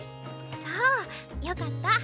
そうよかった。